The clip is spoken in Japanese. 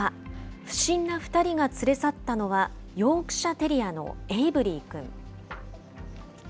不審な２人が連れ去ったのは、ヨークシャテリアのエイブリー君。